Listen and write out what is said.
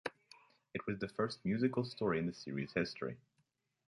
It is the first musical story in the series' history.